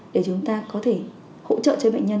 để chúng ta có thể hỗ trợ cho bệnh nhân